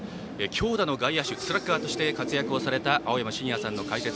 強打の外野手、スラッガーとして活躍をされた青山眞也さんの解説。